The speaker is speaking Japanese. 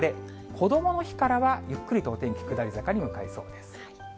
こどもの日からはゆっくりとお天気、下り坂に向かいそうです。